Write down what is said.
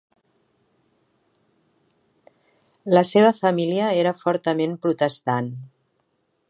La seva família era fortament protestant.